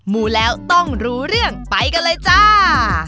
มูลแล้วต้องเรียกไปกันเลยจ้า